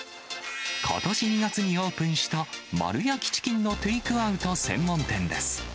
ことし２月にオープンした、丸焼きチキンのテイクアウト専門店です。